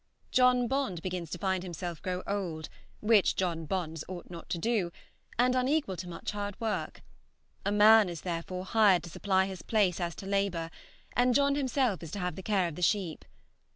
John Bond begins to find himself grow old, which John Bonds ought not to do, and unequal to much hard work; a man is therefore hired to supply his place as to labor, and John himself is to have the care of the sheep.